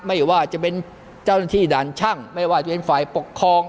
ไม่ว่าจะเป็นเจ้าหน้าที่ด่านช่างไม่ว่าจะเป็นฝ่ายปกครอง